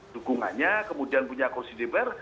dukungannya kemudian punya kursi dpr